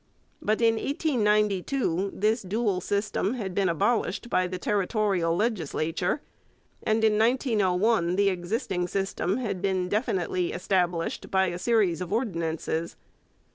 But in 1892 this dual system had been abolished by the territorial legislature, and in 1901 the existing system had been definitely established by a series of ordinances.